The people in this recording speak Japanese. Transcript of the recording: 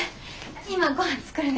今ごはん作るね。